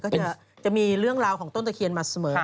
จะมีเรื่องราวของต้นตะเคียนมาเสมอ